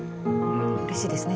うれしいですね